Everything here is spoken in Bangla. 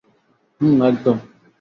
হুম, একদম।